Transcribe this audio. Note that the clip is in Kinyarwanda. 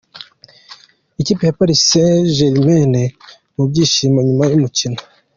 Ikipe ya Paris Saint Germain mu byishimo nyuma y'umukino.